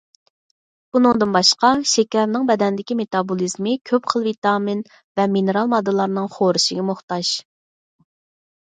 بۇنىڭدىن باشقا، شېكەرنىڭ بەدەندىكى مېتابولىزمى كۆپ خىل ۋىتامىن ۋە مىنېرال ماددىلارنىڭ خورىشىغا موھتاج.